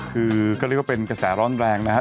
คือก็เรียกว่าเป็นกระแสร้อนแรงนะครับ